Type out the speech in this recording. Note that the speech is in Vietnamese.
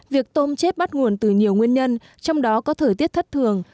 việc tôm chết bắt nguồn từ nhiều nguyên nhân trong đó có thời tiết thất thường